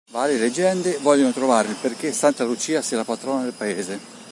Varie leggende vogliono trovare il perché Santa Lucia sia la patrona del paese.